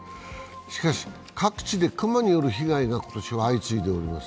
しかし各地で熊による被害が今年は相次いでおります。